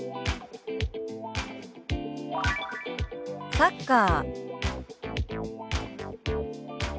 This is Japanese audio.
「サッカー」。